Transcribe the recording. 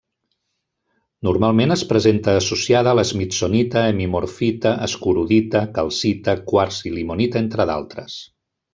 Normalment es presenta associada a la smithsonita, hemimorfita, escorodita, calcita, quars i limonita, entre d'altres.